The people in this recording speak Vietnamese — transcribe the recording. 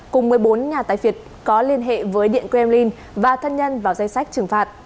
cùng một mươi bốn nhà tại việt có liên hệ với điện kremlin và thân nhân vào danh sách trừng phạt